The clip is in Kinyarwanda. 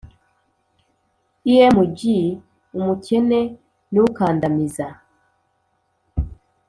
Img umukene n ukandamiza